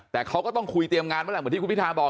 แต่เขาก็ต้องคุยเตรียมงานเมื่อไหร่เหมือนที่คุณพิทาบอก